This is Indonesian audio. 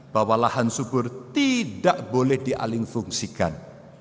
bahwa lahan subur tidak boleh dialing fungsikan